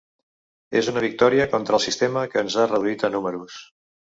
És una victòria contra el sistema que ens ha reduït a números.